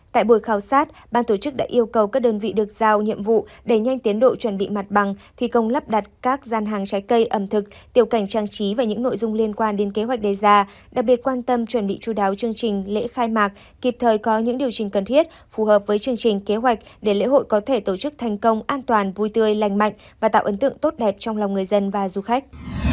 tại buổi khảo sát ban tổ chức đã yêu cầu các đơn vị được giao nhiệm vụ để nhanh tiến độ chuẩn bị mặt bằng thi công lắp đặt các gian hàng trái cây ẩm thực tiểu cảnh trang trí và những nội dung liên quan đến kế hoạch đề ra đặc biệt quan tâm chuẩn bị chú đáo chương trình lễ khai mạc kịp thời có những điều trình cần thiết phù hợp với chương trình kế hoạch để lễ hội có thể tổ chức thành công an toàn vui tươi lành mạnh và tạo ấn tượng tốt đẹp trong lòng người dân và du khách